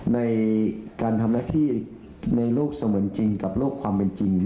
ในการทำหน้าที่ในโลกเสมือนจริงกับลูกความเป็นจริง